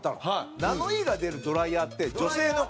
ナノイーが出るドライヤーって女性の方